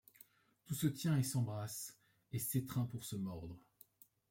Tout se tient et s’embrasse et s’étreint pour se mordre ;